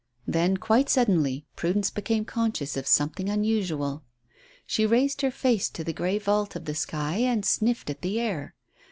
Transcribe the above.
Then quite suddenly Prudence became conscious of something unusual. She raised her face to the grey vault of the sky and sniffed at the air.